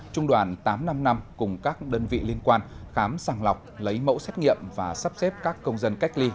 trung đoàn tám trăm năm mươi năm cùng các đơn vị liên quan khám sàng lọc lấy mẫu xét nghiệm và sắp xếp các công dân cách ly